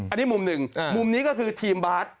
อันนี้มุมหนึ่งมุมนี้ก็คือทีมบาส